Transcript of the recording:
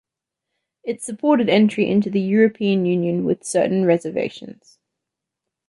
It supported entry into the European Union with certain reservations.